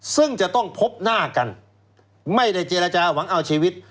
ซึ่งจะต้องพบหน้ากันไม่ได้เจรจาหวังเอาชีวิต